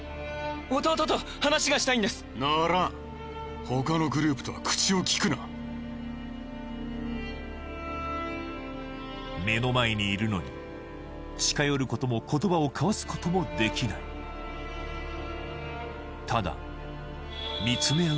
弟と話がしたいんですならん他のグループとは口をきくな目の前にいるのに近寄ることも言葉を交わすこともできないただその頃ブラザーズホーム近くの山中を